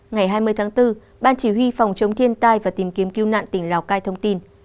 ngày hai mươi tháng bốn ban chỉ huy phòng chống thiên tai và tìm kiếm cứu nạn tỉnh lào cai thông tin